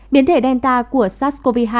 biến thể delta của sars cov hai